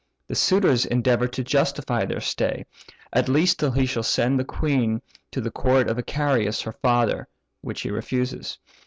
The suitors endeavour to justify their stay, at least till he shall send the queen to the court of Icarius her father; which he refuses.